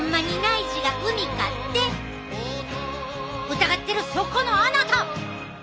疑ってるそこのあなた！